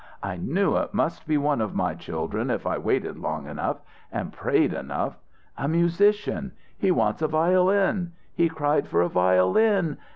I knew it must be one of my children if I waited long enough and prayed enough. A musician! He wants a violin. He cried for a violin.